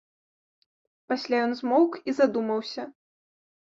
Пасля ён змоўк і задумаўся.